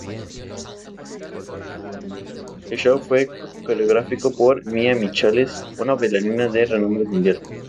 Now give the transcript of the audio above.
El show fue coreografiado por Mia Michaels, una bailarina de renombre mundial.